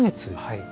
はい。